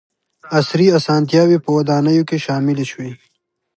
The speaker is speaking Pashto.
• عصري اسانتیاوې په ودانیو کې شاملې شوې.